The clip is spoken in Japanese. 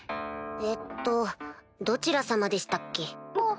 えっとどちら様でしたっけ？